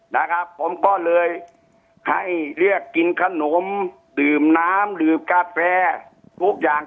นะครับผมก็เลยให้เรียกกินขนมดื่มน้ำดื่มกาแฟทุกอย่าง